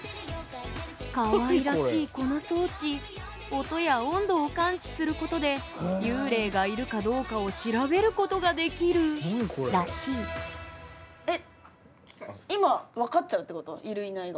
かわいらしいこの装置音や温度を感知することで幽霊がいるかどうかを調べることができるらしいいるいないが。